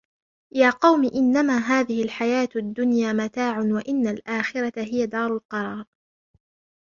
يَا قَوْمِ إِنَّمَا هَذِهِ الْحَيَاةُ الدُّنْيَا مَتَاعٌ وَإِنَّ الْآخِرَةَ هِيَ دَارُ الْقَرَارِ